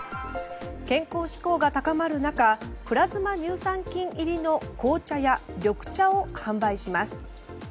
健康志向が高まる中プラズマ乳酸菌入りの紅茶や緑茶を販売します。